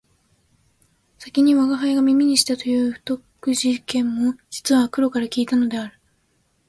先に吾輩が耳にしたという不徳事件も実は黒から聞いたのである